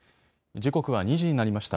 時刻は２時になりました。